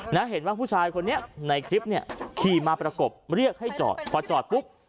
กระโดดกระทืบกระจก